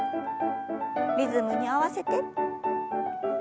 リズムに合わせて。